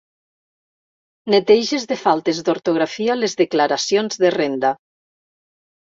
Neteges de faltes d'ortografia les declaracions de Renda.